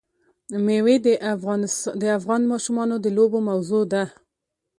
مېوې د افغان ماشومانو د لوبو موضوع ده.